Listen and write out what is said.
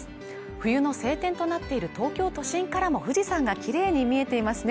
冬の晴天となっている東京都心からも富士山がきれいに見えていますね